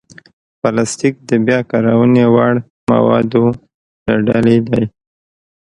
پلاستيک د بیا کارونې وړ موادو له ډلې دی.